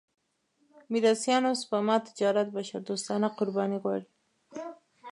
میراثيانو سپما تجارت بشردوستانه قرباني غواړي.